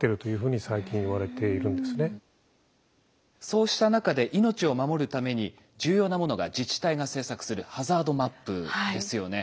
そうした中で命を守るために重要なものが自治体が制作するハザードマップですよね。